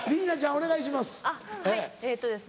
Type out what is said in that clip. お願いします。